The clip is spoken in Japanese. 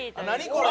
これ。